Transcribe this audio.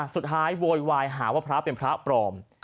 โวยวายหาว่าพระเป็นพระปลอม